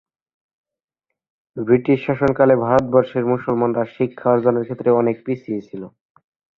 British শাসনকালে ভারতবর্ষের মুসলিমরা শিক্ষা অর্জনের ক্ষেত্রে অনেক পিছিয়ে ছিল।